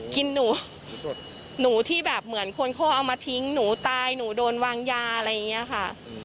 หนูหนูที่แบบเหมือนคนเขาเอามาทิ้งหนูตายหนูโดนวางยาอะไรอย่างนี้ค่ะ